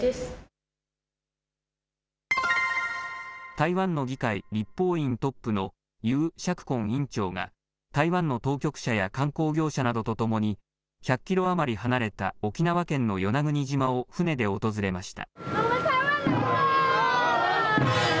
台湾の議会、立法院トップの游錫こん院長が台湾の当局者や観光業者などとともに１００キロ余り離れた沖縄県の与那国島を船で訪れました。